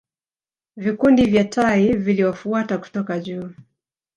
Vikundi vya tai viliwafuata kutoka juu